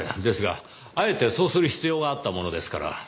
ですがあえてそうする必要があったものですから。